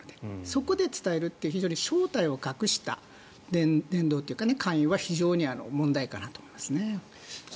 そこで伝えるという、非常に正体を隠した伝道というか非常に問題かなと思います。